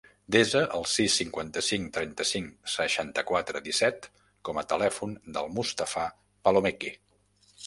Desa el sis, cinquanta-cinc, trenta-cinc, seixanta-quatre, disset com a telèfon del Mustafa Palomeque.